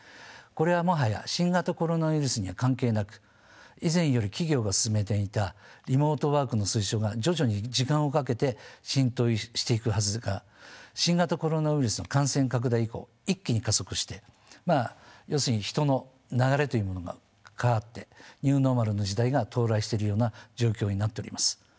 これはもはや新型コロナウイルスには関係なく以前より企業が進めていたリモートワークの推奨が徐々に時間をかけて浸透していくはずが新型コロナウイルス感染拡大以降一気に加速してまあ要するに人の流れというものが変わってニューノーマルの時代が到来してるような状況になっております。